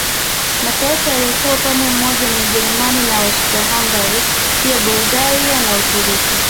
Mataifa yaliyokuwa upande mmoja ni Ujerumani na Austria Hungaria pia Bulgaria na Uturuki